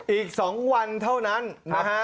อีก๒วันเท่านั้นนะฮะ